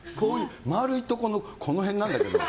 丸いところのこの辺なんだけど。